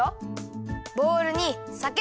ボウルにさけ。